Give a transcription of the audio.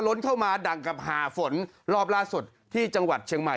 ล้นเข้ามาดั่งกับหาฝนรอบล่าสุดที่จังหวัดเชียงใหม่